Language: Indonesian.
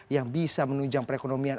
yang bisa menunjang perekonomian